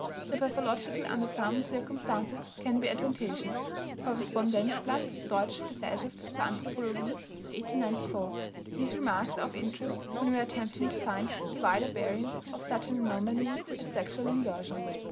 The pathological under some circumstances can be advantageous" (Correspondenz blatt Deutsch Gesellschaft für Anthropologie, 1894). These remarks are of interest when we are attempting to find the wider bearings of such an anomaly as sexual inversion.